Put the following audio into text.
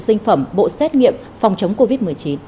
sinh phẩm bộ xét nghiệm phòng chống covid một mươi chín